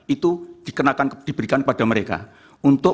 itu diberikan kepada mereka untuk